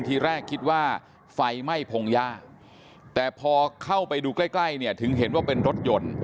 ทีแรกคิดว่าไฟไหม้พงยาแต่พอเข้าไปดูใกล้ถึงเห็นว่าเป็นรถยนต์